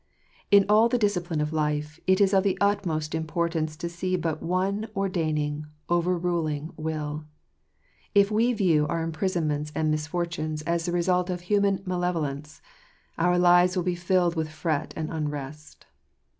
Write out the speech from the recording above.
In all the discipline of life it is of the utmost importance to see but one ordaining overruling will. If we view our imprisonments and misfortunes as the result of human malevolence, our lives will be filled with fret and unrest.